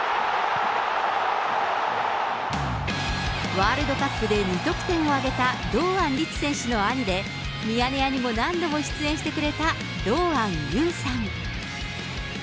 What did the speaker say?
ワールドカップで２得点を挙げた堂安律選手の兄で、ミヤネ屋にも何度も出演してくれた堂安憂さん。